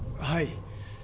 はい。